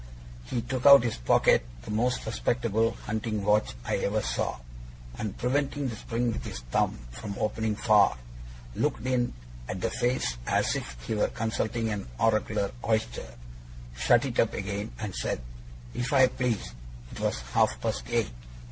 He took out of his pocket the most respectable hunting watch I ever saw, and preventing the spring with his thumb from opening far, looked in at the face as if he were consulting an oracular oyster, shut it up again, and said, if I pleased, it was half past eight.